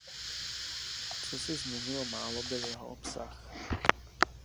Co se změnilo málo byl jeho obsah.